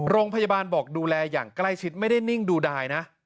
โรงพยาบาลบอกดูแลอย่างใกล้ชิดไม่ได้นิ่งดูดายนะ